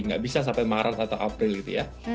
nggak bisa sampai maret atau april gitu ya